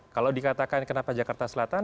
kalau dikatakan kenapa jakarta selatan